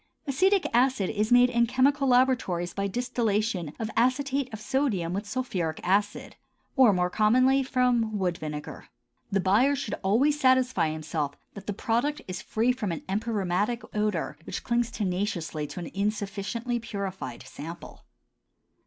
Acetic acid is made in chemical laboratories by distillation of acetate of sodium with sulphuric acid, or more commonly from wood vinegar. The buyer should always satisfy himself that the product is free from an empyreumatic odor which clings tenaciously to an insufficiently purified sample.